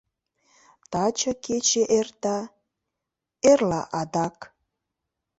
Таче кече эрта, эрла адак.